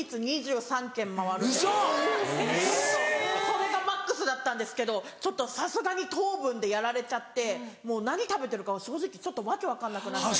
それがマックスだったんですけどちょっとさすがに糖分でやられちゃってもう何食べてるか正直ちょっと訳分かんなくなって。